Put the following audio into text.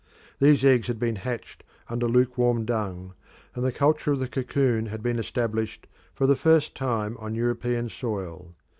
These eggs had been hatched under lukewarm dung, and the culture of the cocoon had been established for the first time on European soil.